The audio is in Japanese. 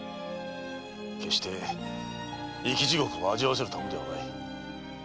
決して生き地獄を味わわせるためではない。